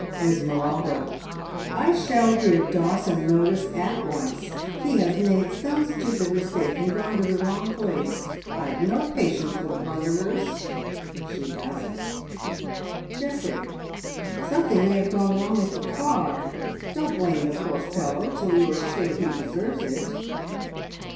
"Esmeralda. `I shall give Dawson notice At Once! He has made some stupid mistake, and gone to the wrong place. I've no patience with blunderers.' (She hasn't.) "Geoffrey. `Something may have gone wrong with the car. Don't blame the poor fellow till you are sure he deserves it.'